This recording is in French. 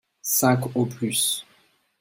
Cinq au plus.